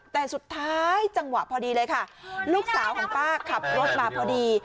แต่สุดท้ายจังหวะพอดีเลยค่ะลูกสาวของป้าขับรถมาพอดี